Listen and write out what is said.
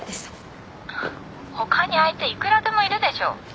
他に相手いくらでもいるでしょ。